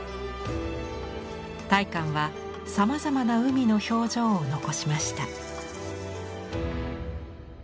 大観はさまざまな海の表情を残しました。